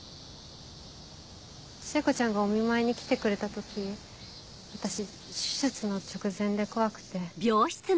聖子ちゃんがお見舞いに来てくれた時私手術の直前で怖くて。